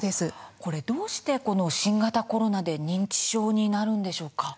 これどうして新型コロナで認知症になるんでしょうか？